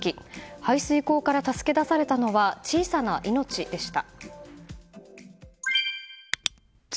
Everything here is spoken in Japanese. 排水溝から助け出されたのは小さな命でした。